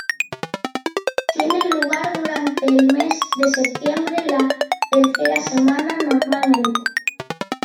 Tiene lugar durante el mes de septiembre, la tercera semana normalmente.